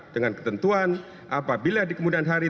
dengan ketentuan apabila di kemudian hari